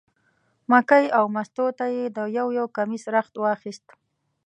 مکۍ او مستو ته یې د یو یو کمیس رخت واخیست.